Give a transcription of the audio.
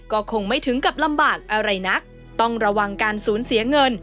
ก็คงไม่ถึงกับลำบากอะไรนักต้องระวังการสูญเสียเงิน